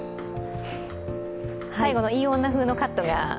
最後のいい女風のカットが。